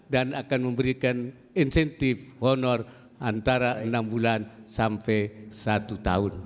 dan akan memberikan insentif honor antara enam bulan sampai satu tahun